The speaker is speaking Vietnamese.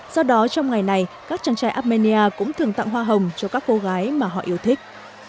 do đó trong ngày này các chàng trai armenia cũng thường tặng hoa hồng cho các cô gái mà họ yêu thích